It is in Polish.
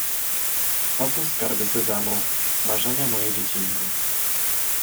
„Oto skarby Sezamu, marzenia moje dziecinne”.